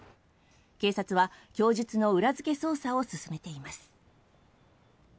警察は供述の裏付け捜査を進めています。